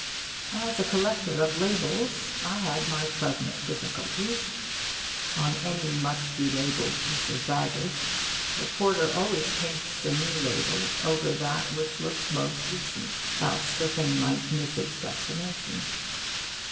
As a collector of labels I had my pleasant difficulties. On any much belabelled piece of baggage the porter always pastes the new label over that which looks most recent; else the thing might miss its destination.